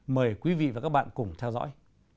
mời quý vị và các bạn cùng theo dõi